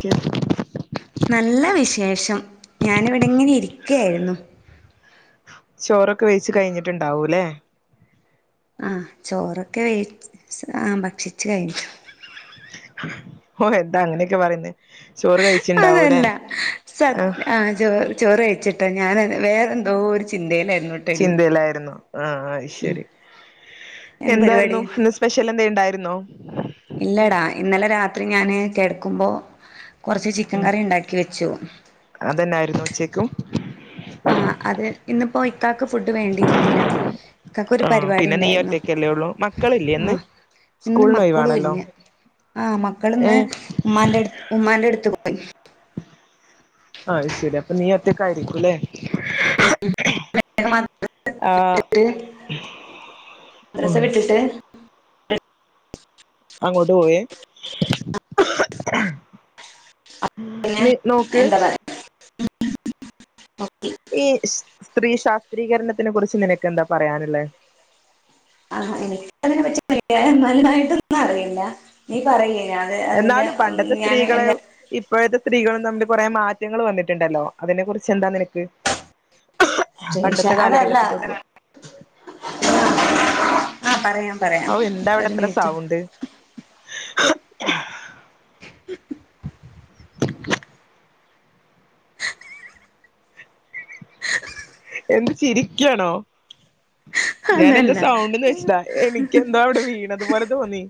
ചെർത് നല്ല വിശേഷം, ഞാനിവിടെങ്ങനെ ഇരിക്കയായിരുന്നു. ചോറൊക്കെ വെച്ച് കഴിഞ്ഞിട്ടുണ്ടാവും ല്ലേ. ആ ചോറൊക്കെ വേ ആ ഭക്ഷിച്ചു കഴിഞ്ഞിച്ചു. ഓ എന്താ അങ്ങനെയൊക്കെ പറയുന്ന ചോറ് കഴിച്ച അതല്ല, സത്യ ആ ചോറ് ചോർ കഴിച്ചു ട്ടോ, ഞാൻ വേറെ എന്തോ ഒരു ചിന്തയിലായിരുന്നു. ട്ടടി ചിന്തയിലായിരുന്നു, ആ ഉം ശരി എന്ത് പരിപാടി എന്തായിരുന്നു സ്പെഷ്യൽ എന്തേലും ഉണ്ടായിരുന്നോ? ഇല്ലടാ, ഇന്നലെ രാത്രി ഞാന് കിടക്കുമ്പോ കുറച്ച് ചിക്കൻ കറി ഉണ്ടാക്കി വെച്ചു. അതന്നായിരുന്നു ഉച്ചക്കും. ആഹ അത്, ഇന്ന് പോയി ഇക്കാക്ക് ഫുഡ് വേണ്ടിയിരുന്നില്ല, ഇക്കാക്കൊരു ആ പരിപാടി പിന്നെ നീ ഉണ്ടായിരുന്നു. ഒറ്റക്കല്ലേ ഉള്ളൂ മക്കളില്ലേ ഇന്ന് ആഹ് ഇന്ന് സ്കൂളിന് മക്കളും ഒഴിവാണല്ലോ ഇല്ല, ആഹ് ഏ മക്കളിന്ന് ഉമ്മാന്റടുത്ത് ഉമ്മാന്റടുത്ത് പോ അത് ശരി അപ്പൊ നീ ഒറ്റക്കായിയിരിക്കൂല്ലേ? ഉം [inaudible] ആ ര് ഡ്രെസ്സെട്ത്തിട്ട് അങ്ങോട്ട് പോയേ! ഉം പിന്നെ നീ നോക്ക്. എന്താ പറയാ ഈ സ് സ്ത്രീ ശാസ്ത്രീകരണത്തിനെ കുറിച്ച് നിനക്ക് എന്താ പറയാനുള്ളേ? ആഹാ എനിക്ക് അതിനെ [inaudible] വലുതായിട്ടൊന്നും അറിയില്ല. നീ പറയ് ഞാന് അതില് എന്നാലും ഉം പണ്ടത്തെ ഞാൻ സ്ത്രീകളെ എന്റെ ഇപ്പോഴത്തെ സ്ത്രീകളും തമ്മില് കൊറേ മാറ്റങ്ങൾ വന്നിട്ടുണ്ടല്ലോ അതിനെ കുറിച്ചെന്താ നിനക്ക് ക്ക് ശ്രീഷ പണ്ടത്തെ അതല്ല കാലഘട്ടത്തി തൊട്ടും ആഹ് പറയാം പറയാം ഔ എന്താ അവിടെ ഒരു എത്ര മിനിറ്റ് സൗണ്ട് എന്ത് ചിരിക്കാണോ ഞാൻ എന്റെ അതല്ല സൗണ്ടില് വെച്ചിട്ടാ എനിക്ക് എന്താ അവിടെ വീണതു പോലെ തോന്നി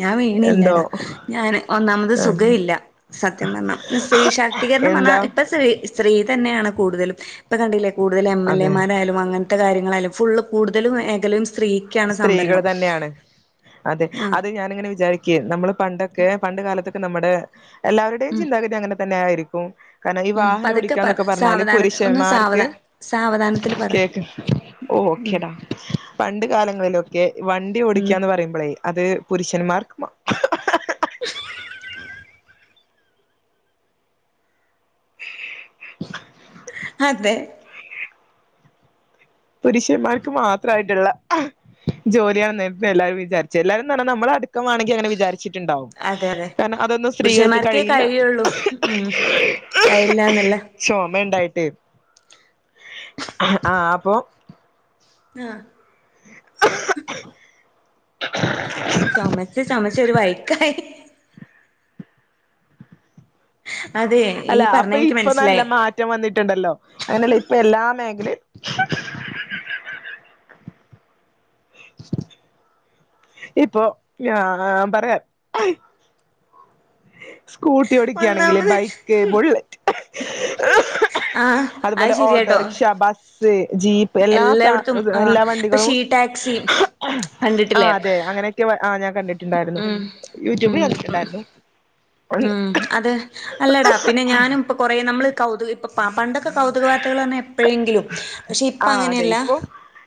ഞാൻ എന്തോ വീണില്ലടാ ഞാന് ഒന്നാമത് സുഖവില്ല സത്യം പറഞ്ഞാ സ്ത്രീ ശാക്തീകരണം പറഞ്ഞാ എന്താ ഇപ്പ സ്രീ സ്‌ സ്ത്രീ തന്നെയാണ് കൂടുതലും ഇപ്പ കണ്ടില്ലേ കൂടുതലും എം എൽ അതെ എമാരായാലും അങ്ങന ത്തെ കാര്യങ്ങളായാലും ഫുള്ളും കൂടുതല് മേഖലയും സ്ത്രീ സ്ത്രീകൾ തന്നെയാണ് അതെ ആഹ് അത് ഞാനിങ്ങനെ വിചാരിക്ക് നമ്മള് പണ്ടൊക്കെ പണ്ട് കാലത്തൊക്കെ നമ്മുടെ എല്ലാവരുടെയും ഉം ചിന്താഗതി അങ്ങനെ തന്നെ ആയിരിക്കും കാരണം ഈ ഉം വാഹനം പതുക്കെ പറ ഓടിക്കാന്നൊക്കെ പറഞ്ഞാല് സാവധാന ഒന്ന് പുരുഷന്മാർക്ക് സാവധാ സാവധാനത്തില് പറ കേക്ക് ഓ ഓക്കെടാ പണ്ട് കാല ങ്ങളിലൊക്കെ വണ്ടി ഉം ഓടിക്കാന്ന് പറയുമ്പളേ അത് പുരുഷന്മാർക്ക് മാ - അതെ പുരുഷന്മാർക്ക് മാത്രമായിട്ടുള്ള ജോലിയാണ് നേരത്തെ എല്ലാരും വിചാരിച്ചേ എല്ലാരുംന്ന്‌ പറഞ്ഞാ നമ്മള് അടുക്കം ആണെങ്കി അങ്ങനെ വിചാരി വച്ചിട്ടുണ്ടാവും അതെ അതെ കാരണം അതൊന്നും സ്ത്രീകൾക്ക് പുരുഷന്മാർക്കേ കഴിയില്ല കഴിയുള്ളൂ ഉം കഴിയില്ലാന്നല്ല ചോമ ഉണ്ടായിട്ടേ ആഹ് അപ്പൊ ആഹ് ചൊമച്ച് ചൊമച്ച് ഒരു വഴിക്കായി അതേ അല്ല അപ്പൊ ഇപ്പൊ നല്ല മാറ്റം വന്നിട്ടുണ്ടല്ലോ അങ്ങനെയല്ല ഇപ്പ എല്ലാ മേഖലയും ഇപ്പൊ ഞാൻ പറയാം സ്കൂട്ടി ഓടിക്കയാണെങ്കില് ഒന്നാമത് ബൈക്ക് ബുള്ളറ്റ് ആഹ് അത് അതുപോലെ ഓട്ടോ ശരിയാട്ടോ റിക്ഷ ബസ്സ് ജീപ്പ് എല്ലാ സാ എല്ലായിടത്തും ഇത് ആഹ് എല്ലാ ഇപ്പൊ വണ്ടികളും ഷീ ടാക്സി ആ കണ്ടിട്ടില്ലേ അതെ അങ്ങനെയൊക്കെ ആഹ് ഞാൻ കണ്ടിട്ടുണ്ടായിരുന്നു ഉം യൂട്യൂബിൽ ഉം കണ്ടിട്ടുണ്ടായിരുന്നു ഉം അത് അല്ലടാ പിന്നെ ഞാനും ഇപ്പൊ കൊറേ നമ്മള് കൗതുകം ഇപ്പ പ പണ്ടൊക്കെ കൗതുകായിട്ടുള്ളന്നേ എപ്പഴെങ്കിലും പക്ഷെ ഇപ്പ അങ്ങനെയല്ല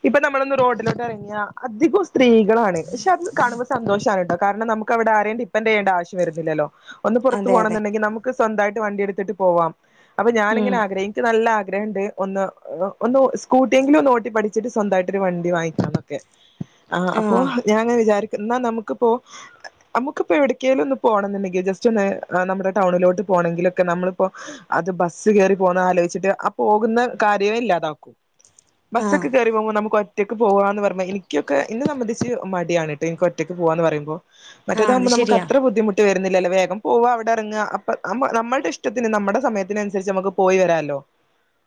ഇപ്പ നമ്മളൊന്ന് റോഡിലോട്ട് എറങ്ങിയ അധികവും സ്ത്രീകളാണ് പക്ഷെ അത് കാണുമ്പോൾ സന്തോഷാണ് കേട്ടോ കാരണം നമുക്ക് ക്കവിടെ ആരെയും ഡിപ്പൻഡ് ചെയ്യേണ്ട ആവശ്യം വരുന്നില്ലല്ലോ ഒന്ന് പുറത്ത് അതെ അതെ പോണംന്നുണ്ടെങ്കി നമുക്ക് സ്വന്തായിട്ട് വണ്ടി എടുത്തിട്ട് പോവാം അപ്പ ഉം ഞാനിങ്ങനെ ആഗ്രഹിച്ച് എനിക്ക് നല്ല ആഗ്രഹ ഉണ്ട് ഒന്ന് ഓ ഒന്ന് സ്കൂട്ടിയെങ്കിലും ഒന്ന് ഓട്ടി പഠിച്ചിട്ട് സ്വന്തായിട്ടൊരു വണ്ടി വാങ്ങിക്കണം ആ അപ്പോ ആഹ് ഞാൻ വിചാരിക്ക എന്നാ നമുക്കിപ്പോ നമുക്കിപ്പോ എവിടക്കേ ഒന്നന്ന് പോണം എന്നുണ്ടെങ്കിൽ ജസ്റ്റ് ഒന്ന് നമ്മുടെ ടൗണിലോട്ട് പോകണെങ്കിലൊക്കെ നമ്മളിപ്പോ അത് ബസ് കയറി പോകുന്ന ആലോചിച്ചിട്ട് ആ പോകുന്ന കാര്യേ ഇല്ലാതാക്കും ബസ്സ് ആഹ് ഒക്കെ കയറിപോകുമ്പോൾ നമുക്ക് ഒറ്റ ഒറ്റയ്ക്ക് പോവായന്ന് പറയുമ്പോ എനിക്കൊക്കെ ഇന്നെ സംബന്ധിച്ച് മടിയാണ് കേട്ട് എനിക്ക് ഒറ്റയ്ക്ക് പോവാക എന്ന് പറയുമ്പോൾ ആഹ് അത് മറ്റേതാവുമ്പോ നമുക്ക് ശരിയാ അത്ര ബുദ്ധിമു ട്ട് വരുന്നില്ലല്ലോ വേഗം പോവുക അവിടെ ഇറങ്ങുക അപ്പൊമ്മ നമ്മളുടെ ഇഷ്ടത്തിന് നമ്മുടെ സമയത്തിനനുസരിച്ച് നമുക്ക് പോയി വരാമല്ലോ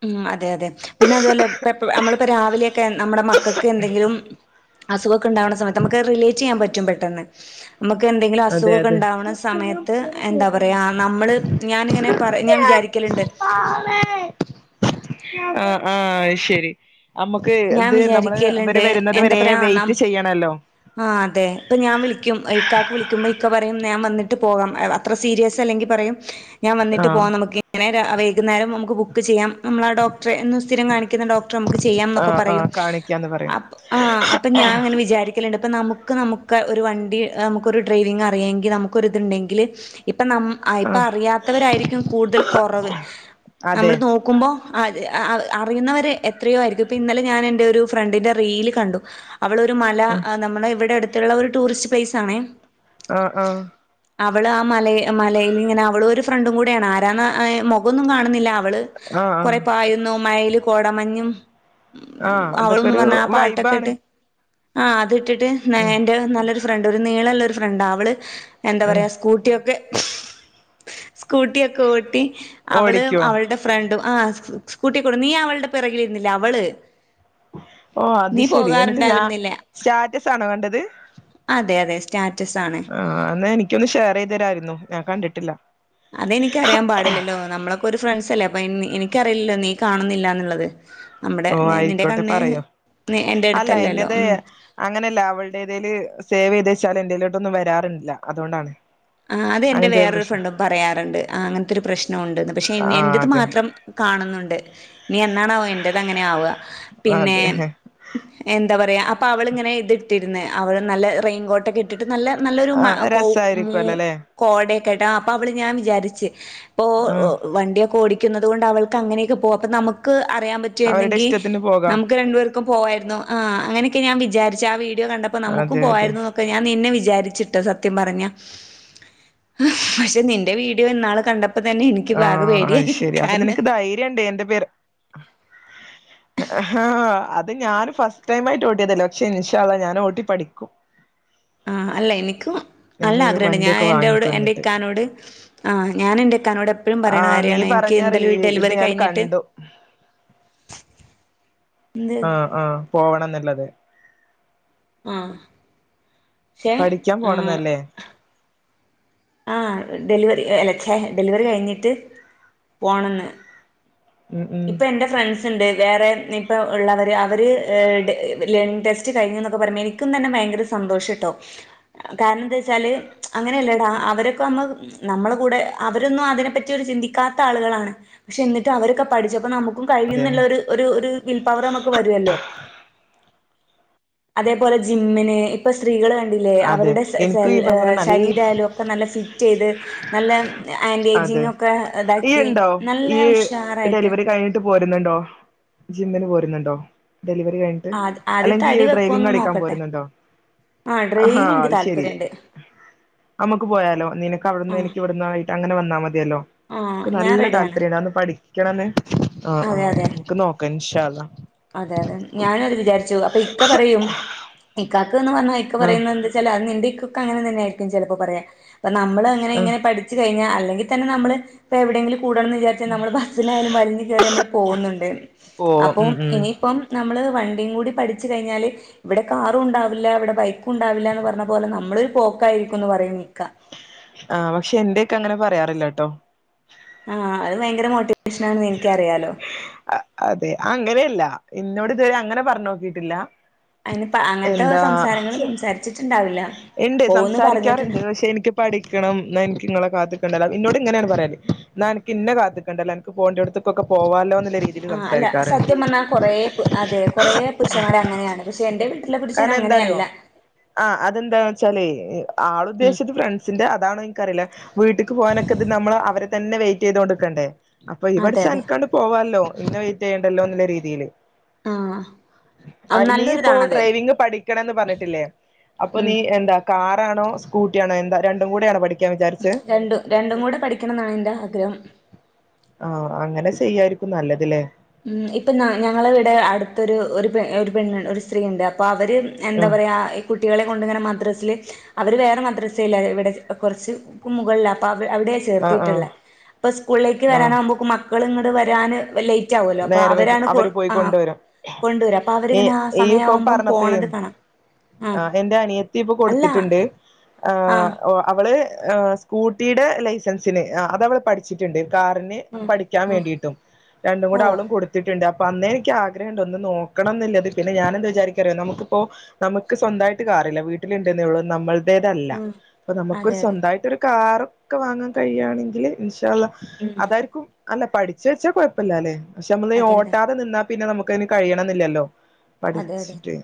ഉ അതെ അതെ പിന്നെ അതുപോലെ ഇ നമ്മളിപ്പോ രാവിലെ നമ്മുടെ മക്കൾക്ക് എന്തെങ്കിലും അസുഖൊക്കെ ഉണ്ടാവുന്ന സമയത്ത് നമുക്ക് റിലേറ്റ് ചെയ്യാൻ പറ്റും പെട്ടെന്ന് നമുക്ക് എന്തെങ്കിലും അതെ അസുഖൊക്കെ അതെ ഉണ്ടാവുന്ന സമയത്ത് എന്താ പറയാ നമ്മള് ഞാാനിങ്ങനെ പറ ഞാൻ വിചാരിക്ക ലണ്ട് ആഹ ആഹ ശരി നമ്മുക്ക് ഞാൻ ഇത് നമ്മള് അവര് വിചാരിക്കലുണ്ട് വരുന്നത് വരെ വെയിറ്റ് ചെയ്യണല്ലോ ആ അതെ ഇപ്പൊ ഞാൻ വിളിക്കും ക്കാക്ക് വിളിക്കും പ ഇക്ക പറയും ഞാൻ വന്നിട്ട് പോകാം അത്ര സീരിയസ് അല്ലെങ്കിൽ പറയും ഞാൻ വന്നിട്ട് ആഹ് പോകാം നമുക്ക്ങ്ങനെ വൈകുന്നേരം നമുക്ക്ക്ക് ചെയാം നമ്മുടെ ഡോക്റെ എന്ന് സ്ഥിരം കാണിക്കുന്ന ഡോക്ടർ നമ്മക്ക് ചെയ്യാനൊക്കെ ആഹ് പറയും ആഹ് കാണിക്കാന്ന് അ പറയും അപ്പോ ഞാൻ അങ്ങനെ വിചാരിക്ക ക്കലുണ്ട് അപ്പൾ നമുക്ക് നമുക്ക് ഒരു വണ്ടി നമുക്കൊരു ഡ്രൈവിംഗ അറിയുമെങ്കിൽ നമുക്കൊരിതുണ്ടെങ്കിൽ ഇപ്പ ന ആ ഇപ്പ അറിയാത്തവരായിരിക്കും കൂടുതൽ കുറവ് നമ്മൾ അതെ നോ നോക്കുമ്പോ അറിയുന്നവരെ എത്രയോ ആയിരിക്കും ഇന്നലെ ഞാൻ എന്റെ ഒരു ഫ്രണ്ടിന്റെറെ റീൽ കണ്ടു അവള ഒരു മല ആഹ് നമ്മളെ ഇവിടെടു ത്തുള്ള ഒരു ടൂറിസ്റ്റ് പ്ലേസ് ആണേ ആ ആഹ അവള് ആ മല മലൽ ഇങ്ങനെ അവള ഒരു ഫ്രണ്ടും കൂടെയാണ് ആരാണ് മുഖമൊന്നും കാണുന്നില്ല അവള് ആഹ് കൊറെ ആഹ് പായന്ന മയല് കോടമഞ്ഞും ഉ ആഹ് അതൊക്കെ അവളൊന്നന്ന് ഒരു പറഞ്ഞ ആ പാട്ടൊക്കെ വൈബാണ് ഇട്ട് ആഹ് അത് ഇട്ടിട്ട് ഉം എന്റെ നല്ലൊരു ഫ്രണ്ട് ഒരു നീളല്ല ഒരു ഫ്രണ്ട് അവള് എന്താ ഉം പറയാ സ്കൂട്ടിയൊക്കെ സ്കൂട്ടിയൊക്കെ ഓട്ടി അവള് ഓടിക്കോ അവളുടെ ഫ്രണ്ടും ആ സ്കൂട്ടിക്കൂടെ നീ അവളുടെ പിറകിലിരുന്നില്ല അവള് ഓ അത് നീ ശരി എന്നിട്ട് ഞാൻ പോകാറുണ്ടായിരുന്നില്ല സ്റ്റാറ്റസണോ കണ്ടത് അതെ അതെ സ്റ്റാറ്റസ് ആണ് ആഹ എന്നാ എനിക്കൊന്നന്ന് ഷെയർ ചെയ്ത്തരായിരുന്നു ഞാൻ കണ്ടിട്ടില്ല അതെനിക്കറിയൻ പാടില്ലല്ലോ നമ്മളെ ഒരു ഫ്രണ്ട്സ് അല്ലേ അപ്പൊ എനിക്കറിയില്ലോ നീ കാണുന്നില്ല എന്നുള്ളത് ഓ ആയിക്കോട്ടെ പറയാ നി- എന്റെ അല്ല അടുത്തല്ലല്ലോ എന്റേത ഉം. അങ്ങനെയല്ല അവളുടെടേതേൽ സേവ് ചെയ്ത് വച്ചാൽ എന്തേലിലോട്ടൊന്നും വരാറില്ല അതുകൊണ്ടാണ് ആ അത്റെ അങ്ങനത്തെ വേറൊരു പ്രശ്നം ഫണ്ടും പറയാറുണ്ട് അങ്ങനത്തെ ഒരു പ്രശ്നംണ്ട്ന്ന് പക്ഷെ ആഹ് എന്റത് അതെ മാത്രം കാണുന്നുണ്ട് നീ എന്നാണാവോ എൻറത് അങ്ങനെ ആവുക പിന്നെ അതെ എന്താ പറയാ അപ്പൊ അവളിങ്ങനെ ഇത് ഇട്ടിരുന്ന് അവള് നല്ല റെയിൻകോട്ട് ഒക്കെ ഇ ഇട്ടിട്ട് നല്ല നല്ലൊരു ആഹ് ക മൂ രസായിരിക്കുവല്ലോല്ലേ കോടയൊക്കെട്ടാ അപ്പൊ അവള് ഞാൻ വിചാരിച്ച് ഇപ്പൊ ആഹ് വണ്ടിയൊക്കെ ഓടി ണ്ട് അവൾക്ക് അങ്ങനെയൊക്കെ പോകും അ നമുക്ക് അറിയൻ അവരുടെ പറ്റുരുന്നെങ്കിൽ ഇഷ്ടത്തിന് പോകാം നമുക്ക് രണ്ടു പേർ പോമായിരുന്നു അ അങ്ങനൊക്കെ ഞാൻ വിചാരിച്ച ആ വീഡിയോ കണ്ടപ്പോൾ നമുക്ക അതെ അതെ പോയിരുന്നു ഞാൻ നിന്നെ വിചാരിച്ചിട്ട് സത്യം പറഞ്ഞ പക്ഷെ നിന്റെ വീഡിയോ എന്നാള് കണ്ടപ്പ പ്പ തന്നെനി ആഹ ശെരി അപ്പൊ നിനക്ക് ധൈര്യംണ്ടേ എന്റെ പേ ഹ അത് ഞാനൻ ഫസ്റ്റ് ടൈം ആട്ട് ഓട്ടിയതല്ലോ പക്ഷെ ഇൻഷാള്ള ഞാൻ ഓട്ടി പഠിക്കും ആഹ് അല്ല എനിക്ക് നല്ല ഞാനൊരു ആഗ്രഹംണ്ട് ഞാൻ വണ്ടിയൊക്കെ എൻന്റെറോട് വാങ്ങിക്കും എന്റെ എന്നിട്ട് ഇക്കാനോട് ആ ഞാനെന്റെ ഇക്കാനോട് എപ്പോഴും ആ പറയണ നീ കാര്യാണ് എനിക്ക് പറഞ്ഞ റീ എന്താലും ഈ ഇത് ഡെലിവറി ഞാൻ കഴിഞ്ഞിട്ട് കണ്ടു എന്ത് ആഹ ആഹ പോവണം എന്നുള്ളത് ആഹ പഠിക്കാൻ പോണന്നല്ലേ ആ ഡെലിവറി അലച്ച ഡെലിവറി കഴിഞ്ഞിട്ട് പോകണെന്ന് ഉം ഉം ഇപ്പൊ എന്റെ ഫ്രണ്ട്സ് ഉണ്ട് വേറെ ഇപ്പോൾ ഉള്ളവർ അവർ ലേ ടെസ്റ്റ് കഴിഞ്ഞ എന്നൊക്കെ പറുമ്പോൾനി തന്നെ ഭയങ്കര സന്തോഷട്ടോ കാരണം എന്താ വെച്ചാല് അങ്ങനെയല്ലടാ അവരൊക്കെ നമ്മ നമ്മളെ കൂടെ അവരൊന്നും അതിനെ പറ്റി ഒരു ചിന്തിക്കാത്ത ആളുകളാണ് പക്ഷെ എന്നിട്ടും അവരക്കെ പഠിച്ചപ്പം നമ്മക്കും അതെ കഴിയുന്ന്ള്ളൊര് ഒരു ഒര് വിൽപവർ നമ്മക്ക് വരുവല്ലോ അതേപോലെ ജിമ്മിന് ഇപ്പൊ സ്ത്രീകള് കണ്ടി ല്ലേ അതെ അവരുടെ ശെല് എനിക്കും ശല് ഈ പറഞ്ഞ ഏഹ് നല്ല ശരീരായാലും ഒക്കെ നല്ല ഫിറ്റെയ്ത് നല്ല അതെ [unintelligible] ഒക്കെ ഏഹ് ഈ ഇതാക്കി നല്ല ഉഷാറായിട്ട് ട്ട് പോര്ന്ന്ണ്ടോ ജിമ്മിന് പോര്ന്ന്ണ്ടോ ഡെലിവറി കഴി ട്ട് ആ ആദ്യം അല്ലെങ്കി തടി ഈ വെക്കോന്ന് ഡ്രൈവിംഗടിക്കാൻ നോക്കട്ടെ പോര്ന്ന്ണ്ടോ ആ ആഹ് ഹാ ഡ്രെയിൻ എനിക്ക് അത് ശെരി താല്പര്യണ്ട് അമ്മക്ക് പോയാലോ ആ നിനക്കവ്ടുന്ന് എനിക്ക്യ് ഇവട്ന്നായി ട്ടങ്ങനെ വന്നാ മതിയല്ലോ ആ ക്ക് ഞാൻ നല്ല റെഡിയാണ് താല്പര്യാണ് അവൊന്ന് പഠിക്ക്യ്ണന്ന് ആഹ് അതെ ആഹ് അതെ ഇന്ക്ക് നോക്കെ ഇൻഷാ അല്ലാഹ് അതെ അതെ ഞാനും അത് വിചാരിച്ചു അപ്പൊ ഇക്ക പറയും ഇക്കാക്ക്ന്ന് പറ്ഞ്ഞാ ഇക്ക ആഹ് പറയുന്നെന്താ ച്ചാല് അഹ് നിന്റെ ഇക്കുക്കങ്ങനെ തന്നെയായിരിക്കും ചെലപ്പോ പറയാ ഇപ്പ ഞമ്മള് അങ്ങനെ ആഹ് ഇങ്ങനെ പഠ് ച്ച് കഴിഞ്ഞാ അല്ലെങ്കി തന്നെ നമ്മള് ഇപ്പെ എവിടേങ്കിലും കൂടണന്ന് വിചാര് ച്ചാ നമ്മള് ബസ്സിനായാലും വല്ഞ്ഞ് കേറിയമ്മള് പോവുന്ന്ണ്ട് പോവും അപ്പോം ഉം ഉം ഇപ്പം നമ്മള് വണ്ടിയും കൂടി പഠിച്ച് കഴിഞ്ഞാല് ഇവടെ കാറും ഉണ്ടാവില്ല ഇവടെ ബൈക്കും ഉണ്ടാവില്ലാന്ന് പറ്ഞ്ഞ പോലെ നമ്മളൊര് പോക്കായിരിക്കുന്ന് പറയേനി ഇക്കാ ആഹ് പക്ഷേ ഇന്റെ ഇക്കാ അങ്ങനെ പറയാറില്ലട്ടൊ ആഹ് അഹ് ഭയങ്കര മോട്ടിവേഷനാണെന്ന് ഇന്ക്ക്യറിയാലോ അ അതെ അങ്ങനെയല്ലാ ഇന്നോട് ഇതുവരെ അങ്ങനെ പറ്ഞ്ഞോക്കിട്ടില്ല അയിന് പ അങ്ങനത്തെ എന്താ സംസാരങ്ങൾ സംസാരിച്ചിട്ടുണ്ടാവില്ല ഇണ്ട് പോവുന്ന് സംസാരിക്ക്യാറ്ണ്ട് പറഞ്ഞിട്ടുണ്ട് പക്ഷെ എനിക്ക്യ് പഠിക്കണം ഇന്നാ ഇന്ക്ക് ഇങ്ങളെ കാത്ത്ക്കണ്ടല്ലോ ഇന്നോട് ഇങ്ങനേണ് പറയല് ഇന്നാ അന്ക്ക് ഇന്നെ കാത്ത്ക്കണ്ടല്ലോ [unintelligible] പോണ്ടിയോട്ത്ത്ക്കൊക്കെ പോവാലോന്ന് ആഹ് അല്ല സത്യം പറഞ്ഞാ കൊറേ പ് അതെ കൊറേ പുരുഷന്മാര് അങ്ങനെയാണ് പക്ഷേ എന്റെ വീട്ട്ലെ പുരുഷൻ കാരണം എന്താറിയോ അങ്ങനെയല്ല ആഹ് അതെന്താന്ന്ച്ചാലെ ആൾ ഉം ഉദ്ദേശിച്ചത് ഫ്രണ്ട് സിന്റെ അതാണോ ഇന്ക്കറീല്ല വീട്ട്ക്ക് പോവാനൊക്കെ ഇത് നമ്മള് അവരെ തന്നെ വെയിറ്റെയ്തോണ്ട്ക്കണ്ടേ അപ്പൊ ഇവടെ അതെ അതെ സെന്ക്കാണ്ട് പോവാല്ലോ ഇന്നെ വെയിറ്റെയ്യണ്ടല്ലോന്ന്ല്ലെ രീതിയില് ആഹ് ആഹ് നല്ലൊര്താണെ ഡ്രൈവിങ് പഠിക്കണന്ന് പറഞ്ഞ്ട്ട്ല്ലേ അപ്പൊ ഉം നീ എന്താ കാറാണോ സ്കൂട്ടിയാണോ എന്താ രണ്ടും കൂടെയാണോ പഠി രണ്ടു രണ്ടുക്കൂടെ പഠിക്കണന്നാണ് ഇന്റെ ആഗ്രഹം ആഹ് അങ്ങനെ ചെയ്യായിരിക്കും നല്ലത് ല്ലേ ഉം ഇപ്പം നാ ഞങ്ങളവടെ അട്ത്തൊരു ഒരു പെണ് ഒരു പെണ്ണ് ഒര് സ്ത്രീയിണ്ട് അപ്പൊ അവര് എന്താ ഉം പറയാ ഈ കുട്ടിക്കളിം കൊണ്ട്ങ്ങനെ മദ്രസ്സ്ല് അവര് വേറെ മദ്രസ്സേല്ലാ ഇവടെച്ച് ഒ കൊറ്ച്ച്ക്കും മുകള്ലാ അപ്പൊ അവി അവടേച്ച് ആഹ് ആഹ് ചേർത്തീട്ട്ള്ളെ അപ്പ സ്കൂള്ലേക്ക് ആഹ് വരാനാവുമ്പോക്കും മക്കള് ഇങ്ങട്ട് വരാന് വെ ലൈ റ്റാവല്ലോ അപ്പൊ നേരം വൈകും അവരാണ് കൊ അവര് പോയി ആഹ് കൊണ്ടുവരും കൊണ്ട് വരാ അപ്പ ഈ അവര്ങ്ങനെ ആ ഈ സമയാവുമ്പം പോണത് കാണാ ആഹ് എന്റെ അനിയത്തി ഇപ്പൊ കൊട്ത്തിട്ട്ണ്ട് ആ ആഹ് ഓ അവള് ആഹ് സ് കൂട്ടീടെ ലൈസൻസ്ന് ആഹ് അത് അവള് പഠ്ച്ചിട്ട്ണ്ട് കാറിന് ആ ആ പഠിക്ക്യാൻ വേണ്ടിയിട്ടും ഓ [unintelligible] അവളും കൊട് ത്ത്ട്ട്ണ്ട് അപ്പ അന്നേ ഇന്ക്ക്യാ ആഗ്രഹണ്ട് ഒന്ന് നോക്കണന്ന്ല്ലത് പിന്നെ ഞാനെന്താ വിചാരിക്കാറിയോ നമക്ക്പ്പോ നമക്ക് സ്വന്തായിട്ട് കാറ്ല്ല വീട്ട്ല് ഇണ്ട്ന്നേള്ളു നമ്മൾ തേത്തല്ല ഉം അപ്പ നമ്മക്കൊര് അതെ അതെ സ്വന്തായിട്ടൊര് കാറൊക്ക വാങ്ങാ കഴിയാണെങ്കില് ഇൻശാ അള്ളാ അതായിരിക്കും അല്ല പഠിച്ച് വെച്ചാ കൊഴപ്പല്ലാല്ലെ പക്ഷെ നമ്മള് ഈ അതെ അതെ ഓട്ടാതെ നിന്നാ പിന്നെ നമുക്കയിന് കഴിയണന്നില്ലല്ലോ അതെ അതെ പഠിച്ച്ട്ട്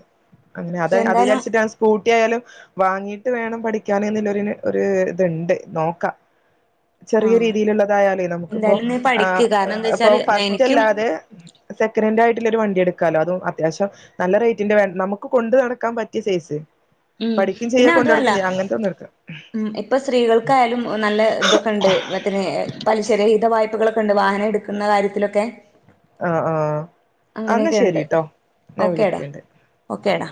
അങ്ങനെ പക്ഷെ അതഹ് അത് എന്തായാലും വിചാരിച്ചിട്ടാ സ് കൂട്ടി ആയാലും വാങ്ങീട്ട് വേണം പഠിക്കാന് ന്ന്ള്ളൊര്ന് ഒരു ഇത്ണ്ട് നോക്കാ ചെറിയ ആ രീതിയില്ള്ളതായാലേ നമുക്ക്പ്പോ എന്തായാലും നീ പഠിക്ക് ആഹ് ഏഹ് കാരണം എന്താ ഏഹ് ഇപ്പൊ വെച്ചാല് എനിക്കും ഫസ്റ്റെല്ലാ തെ സെക്കനെന്റായിട്ട്ല്ലെ ഒരു വണ്ടി എട്ക്കാലോ അതും അത്യാവശ്യം നല്ല റേറ്റിന്റെ നല്ല വേ നമുക്ക് കൊണ്ട് നടക്കാൻ പറ്റിയ സൈസ് ഉം പഠിക്ക്യും ചെയ്യാ പിന്നെ കൊണ്ടട്ക്കും ചെയ്യാ അങ്ങത്തെ ഒന്ന് ഇട്ക്കാ പ്പ സ്ത്രീകൾക്കായാലും നല്ല തൊക്കെ ണ്ട് പലിശരഹിത വായ്പകളൊക്കെ ണ്ട് വാഹനം എടുക്ക ക്കുന്ന കാര്യത്തിലൊക്കെ ആ ആ ആന്നാ അങ്ങനെയൊക്കെ ഉണ്ട് ശരിട്ടോ ഞാൻ ഓക്കേടാ വിളിക്കണ്ട് ഓക്കേടാ